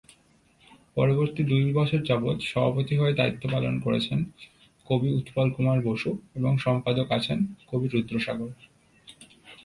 পরবর্তি দুই বছর যাবৎ সভাপতি হয়ে দায়িত্ব পালন করছেন, কবি উৎপল কুমার বসু এবং সম্পাদক আছেন, কবি রদ্রসাগর।